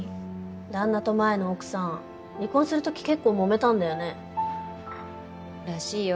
旦那と前の奥さん離婚する時結構もめたんだよね？らしいよ。